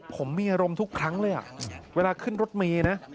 ผมมีอารมณ์ทุกครั้งเลยเวลาขึ้นรถเมย์นะ